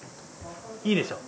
いいでしょ。